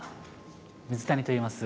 水谷といいます。